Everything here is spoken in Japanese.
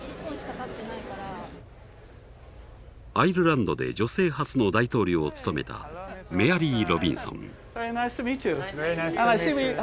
アイルランドで女性初の大統領を務めたメアリー・ロビンソン。